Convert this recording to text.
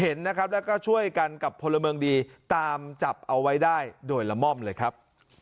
เห็นนะครับแล้วก็ช่วยกันกับพลเมืองดีตามจับเอาไว้ได้โดยละม่อมเลยครับ